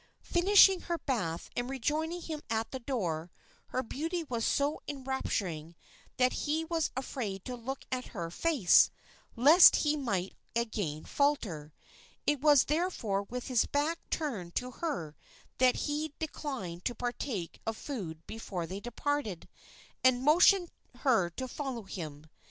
Finishing her bath and rejoining him at the door, her beauty was so enrapturing that he was afraid to look at her face, lest he might again falter; it was therefore with his back turned to her that he declined to partake of food before they departed, and motioned her to follow him.